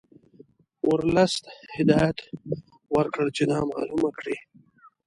ورلسټ هدایت ورکړ چې دا معلومه کړي.